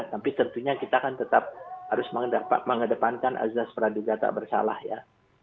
tapi tentunya kita kan tetap harus mengedepankan azad pradugata bersalah ya